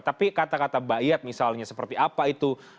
tapi kata kata bayat misalnya seperti apa itu